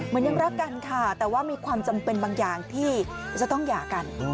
ยังรักกันค่ะแต่ว่ามีความจำเป็นบางอย่างที่จะต้องหย่ากัน